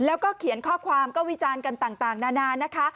แล้วก็เขียนข้อความก็วิจารณ์กันต่างนานานะคะ